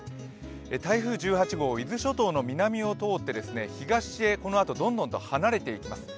台風１８号、伊豆諸島の南を通って東へこのあとどんどんと離れていきます。